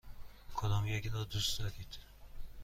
کدامیک را دوست دارید؟